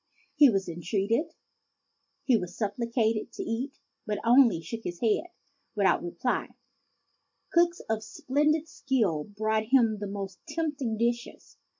He was entreated, he was supplicated, to eat ; but he only shook his head without replying. Cooks of splen did skill brought him the most tempting dishes.